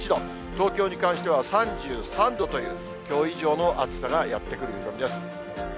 東京に関しては３３度という、きょう以上の暑さがやって来る見込みです。